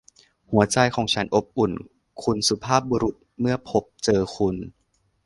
หัวใจของฉันอบอุ่น คุณสุภาพบุรุษ เมื่อพบเจอคุณ